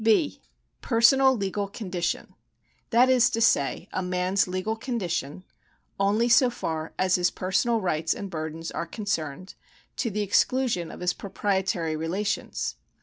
(b) Personal legal condition ; that is to say, a man's legal condition, only so far as his personal rights and burdens are concerned, to the exclusion of his proprietary relations.